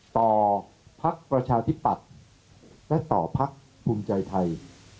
ต่อภักดิ์ประชาธิบัตรและต่อภักดิ์ภูมิใจไทย